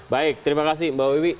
baik terima kasih mbak wiwi